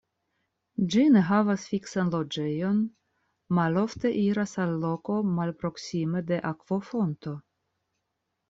Ĝi ne havas fiksan loĝejon, malofte iras al loko malproksime de akvofonto.